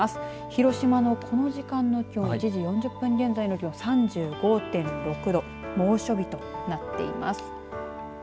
広島の、この時間の気温１時４０分現在の気温３５．６度猛暑日となっています。